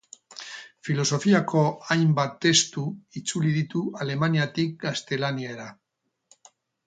Filosofiako hainbat testu itzuli ditu alemanetik gaztelaniara.